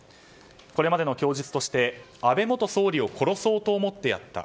これまでの供述として安倍元総理を殺そうと思ってやった。